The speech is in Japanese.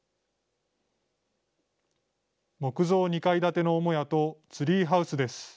木造２階建ての母屋とツリーハウスです。